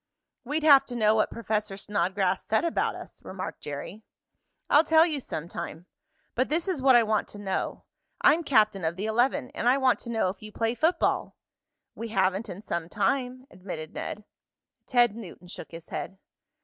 "We'd have to know what Professor Snodgrass said about us," remarked Jerry. "I'll tell you some time. But this is what I want to know. I'm captain of the eleven, and I want to know if you play football?" "We haven't in some time," admitted Ned. Ted Newton shook his head.